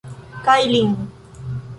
Kaj lin.